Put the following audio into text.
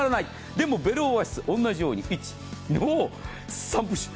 でもベルオアシス同じように１３プッシュ。